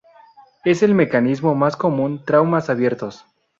Es el mecanismo más común traumas abiertos.